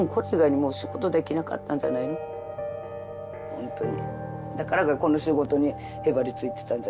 ほんとに。